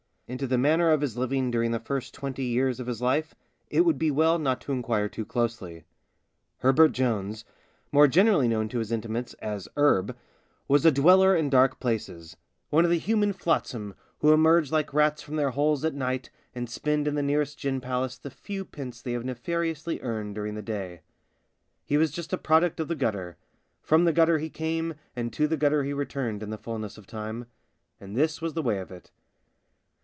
Into the manner of his living during the first twenty years of his life it would be well not to enquire too closely. Herbert Jones — more generally known to his intimates as 'Erb — was a dweller in dark places ; one of the human flotsam who emerge like rats from their holes at night and spend in the nearest gin palace the few pence they have nefariously earned during the day. He was just a product of the gutter ; from the gutter he came and to the gutter he returned in the fullness of time. And this was the way of it.